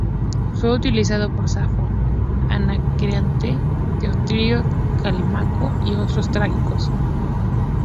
Fue utilizado por Safo, Anacreonte, Teócrito, Calímaco y otros trágicos.